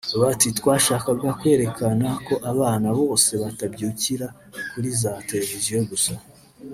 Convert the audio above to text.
bati “Twashakaga kwerekana ko abana bose batabyukira kuri za Televiziyo gusa